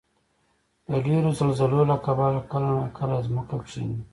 د ډېرو زلزلو له کبله کله ناکله ځمکه کښېني.